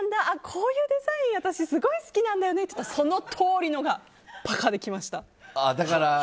こういうデザイン、私すごい好きなんだよねって言ったら、そのとおりのがパカッで、きました。